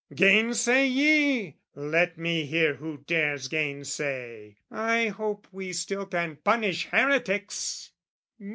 Gainsay ye? Let me hear who dares gainsay! I hope we still can punish heretics!